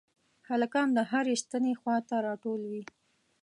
هلکان د هرې ستنې خواته راټول وي.